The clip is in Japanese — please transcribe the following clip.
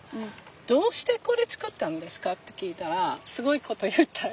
「どうしてこれ作ったんですか？」って聞いたらすごいこと言ったよ。